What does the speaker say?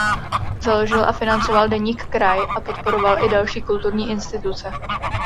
Založil a financoval deník "Kraj" a podporoval i další kulturní instituce.